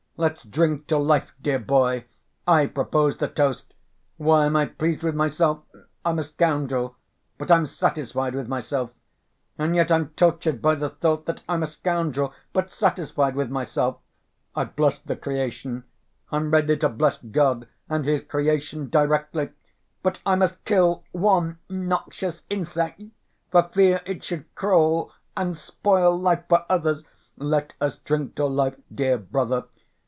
Let's drink to life, dear boy, I propose the toast. Why am I pleased with myself? I'm a scoundrel, but I'm satisfied with myself. And yet I'm tortured by the thought that I'm a scoundrel, but satisfied with myself. I bless the creation. I'm ready to bless God and His creation directly, but ... I must kill one noxious insect for fear it should crawl and spoil life for others.... Let us drink to life, dear brother.